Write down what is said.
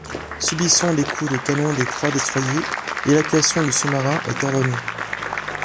Subissant des coups de canon des trois destroyers, l'évacuation du sous-marin est ordonnée.